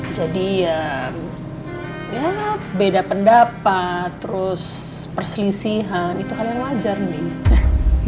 jadi ya ya beda pendapat terus perselisihan itu hal yang wajar nih